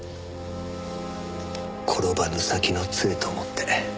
転ばぬ先の杖と思って。